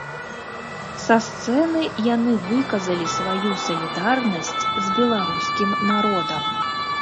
Са сцэны яны выказалі сваю салідарнасць з беларускім народам.